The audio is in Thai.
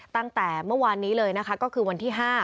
ตั้งแต่เมื่อวานนี้เลยนะคะก็คือวันที่๕